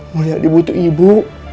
mulia adik butuh ibu